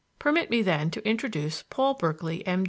Permit me then, to introduce Paul Berkeley, M.